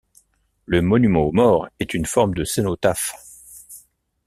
Le monument aux morts est une forme de cénotaphe.